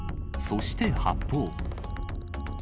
そして発砲。